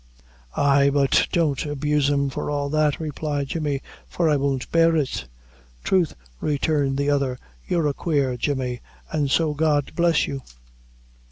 "Ay, but don't abuse them, for all that," replied Jemmy, "for I won't bear it." "Throth," returned the other, "you're a quare Jemmy an' so God bless you!"